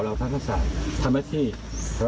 การทำให้มันตามกฎหมายจะพูดมาก